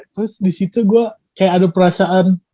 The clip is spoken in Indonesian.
terus disitu gue kayak ada perasaan